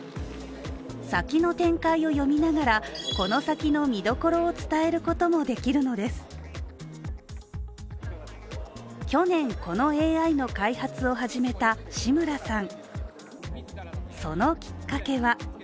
先の展開を読みながらこの先の見どころを伝えることもできるのです去年、このＡＩの開発を始めた志村さん。